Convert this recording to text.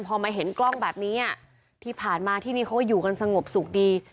พอมาเห็นกล้องแบบนี้ที่ผ่านมาที่นี่เขาก็อยู่กันสงบสุขดี